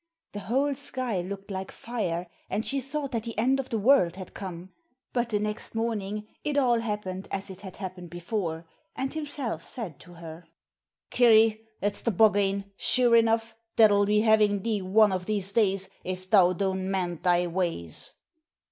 The whole sky looked like fire, and she thought that the end of the world had come. But next morning it all happened as it had happened before, and himself said to her: 'Kirry, it's the Buggane, sure enough, that'll be having thee one of these days if thou don't mend thy ways!'